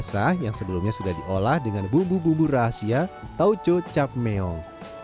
taucho basah yang sebelumnya sudah diolah dengan bumbu bumbu rahasia taucho chapmeong